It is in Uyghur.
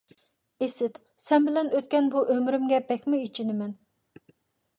ئىسىت، سەن بىلەن ئۆتكەن بۇ ئۆمرۈمگە بەكمۇ ئېچىنىمەن...